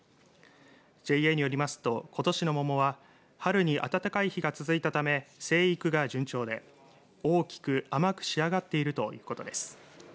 ＪＡによりますと、ことしの桃は春に暖かい日が続いたため生育が順調で大きく、甘く仕上がっているということです。